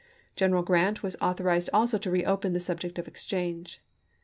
General Grant was authorized also to reopen the subject of exchange.